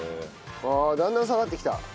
ああだんだん下がってきた。